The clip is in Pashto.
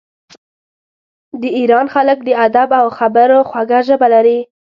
د ایران خلک د ادب او خبرو خوږه ژبه لري.